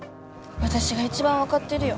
私が一番分かってるよ